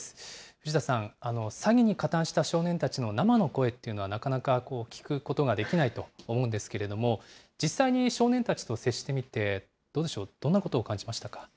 藤田さん、詐欺に加担した少年たちの生の声っていうのはなかなか聞くことができないと思うんですけれども、実際に少年たちと接してみて、どうでしょう、どんなことを感じましたか。